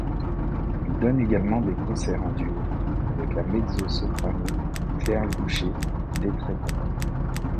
Il donne également des concerts en duo avec la mezzo soprano Claire Louchet-Destremau.